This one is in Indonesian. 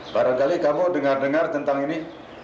barangkali kamu dengar dengar tentang ini